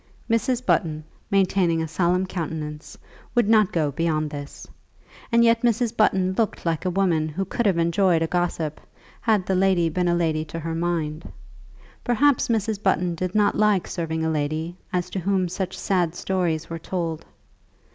Mrs. Button, maintaining a solemn countenance, would not go beyond this; and yet Mrs. Button looked like a woman who could have enjoyed a gossip, had the lady been a lady to her mind. Perhaps Mrs. Button did not like serving a lady as to whom such sad stories were told.